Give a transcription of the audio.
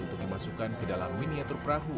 untuk dimasukkan ke dalam miniatur perahu